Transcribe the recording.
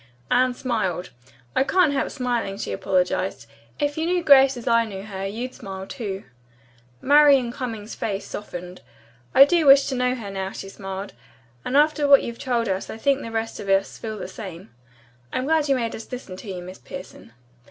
Anne smiled. "I can't help smiling," she apologized. "If you knew Grace as I know her, you'd smile, too." Marian Cummings's face softened. "I do wish to know her, now," she smiled. "After what you've told us I think the rest of us feel the same. I'm glad you made us listen to you, Miss Pierson."